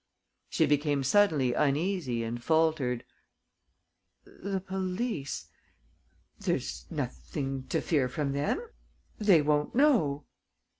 She became suddenly uneasy and faltered: "The police.... There's nothing to fear from them.... They won't know...."